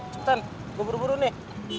cepetan gue buru buru nih